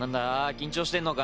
緊張してんのか？